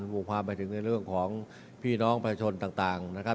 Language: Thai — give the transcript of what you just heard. บุกความไปถึงในเรื่องของพี่น้องประชาชนต่างนะครับ